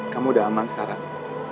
kamu udah aman sekarang